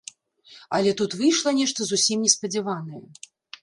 Але тут выйшла нешта зусім неспадзяванае.